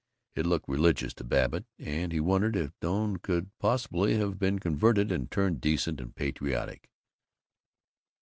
It looked religious to Babbitt, and he wondered if Doane could possibly have been converted and turned decent and patriotic.